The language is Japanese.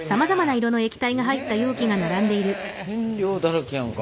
染料だらけやんか。